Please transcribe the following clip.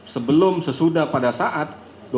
sebelum sesudah pada saat